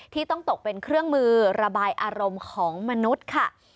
ที่ต้องตกเป็นเครื่องมือระบายอารมณ์ของมนุษย์ค่ะ